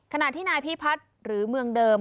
ขณะที่นายพิพัฒน์หรือเมืองเดิม